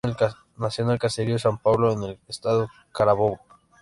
Nació en el caserío San Pablo, en el estado Carabobo.